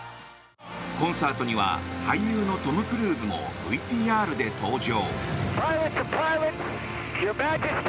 コンサートには俳優のトム・クルーズもＶＴＲで登場。